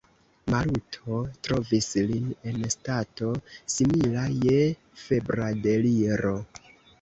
Maluto trovis lin en stato, simila je febra deliro.